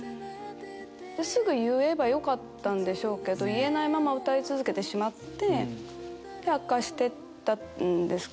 すぐ言えばよかったんでしょうけど言えないまま歌い続けてしまって悪化してったんです。